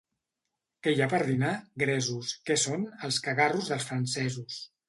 —Què hi ha per dinar? —Gresos. —Què són? —Els cagarros dels francesos.